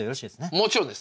もちろんです。